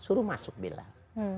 suruh masuk bilal